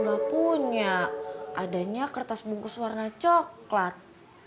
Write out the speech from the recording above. nggak punya adanya kertas bungkus warna coklat